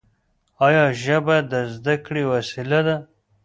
ایا ژبه د زده کړې وسیله ده؟